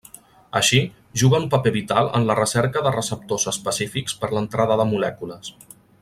Així, juga un paper vital en la recerca de receptors específics per l'entrada de molècules.